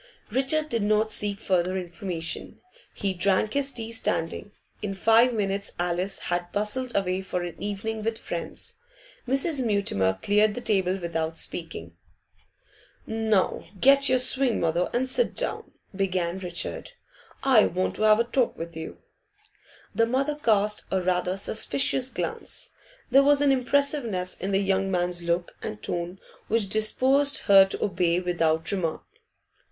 Richard did not seek further information. He drank his tea standing. In five minutes Alice had bustled away for an evening with friends. Mrs. Mutimer cleared the table without speaking. 'Now get your sewing, mother, and sit down,' began Richard. 'I want to have a talk with you.' The mother cast a rather suspicious glance. There was an impressiveness in the young man's look and tone which disposed her to obey without remark.